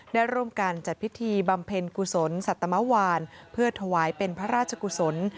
ได้ร่วมกันจัดพิธีบำเพ็ญกุศลสัตมวานเพื่อถวายเป็นพระราชกุศล